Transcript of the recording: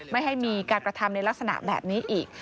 ไม่ให้มีการกระทำในลักษณะแบบนี้อีก